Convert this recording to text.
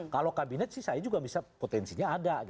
kalau kabinet sih saya juga bisa potensinya ada